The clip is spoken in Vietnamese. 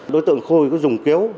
đối tượng khôi có dùng kéo